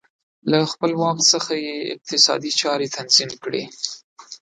له خپل واک څخه یې اقتصادي چارې تنظیم کړې